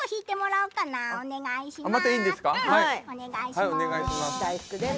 お願いします。